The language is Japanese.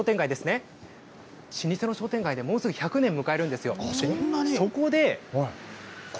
この旭通商店街ですね、老舗の商店街で、もうすぐ１００年迎えるんですよ。